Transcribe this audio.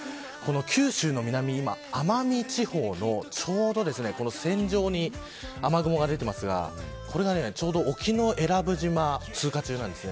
九州の南、今、奄美地方のちょうど線状に雨雲が出ていますがこれがちょうど沖永良部島通過中なんです。